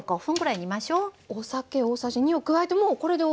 お酒大さじ２を加えてもうこれでＯＫ。